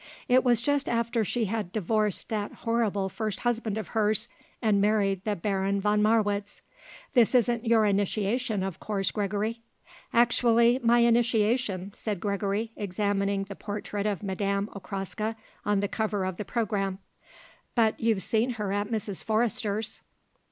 It was just after she had divorced that horrible first husband of hers and married the Baron von Marwitz. This isn't your initiation, of course, Gregory?" "Actually my initiation," said Gregory, examining the portrait of Madame Okraska on the cover of the programme. "But you've seen her at Mrs. Forrester's?